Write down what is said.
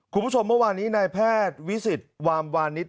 คุณผู้ชมเมื่อวานนี้นายแพทย์วิสิตวามวานิส